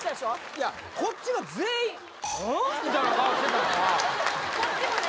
いやこっちは全員「うん？」みたいな顔してたから・こっちもね